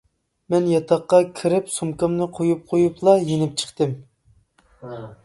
مەن ياتاققا كىرىپ سومكامنى قويۇپ قويۇپلا يېنىپ چىقتىم.